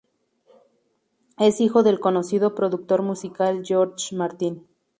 Es hijo del conocido productor musical George Martin.